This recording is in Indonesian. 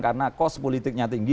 karena kos politiknya tinggi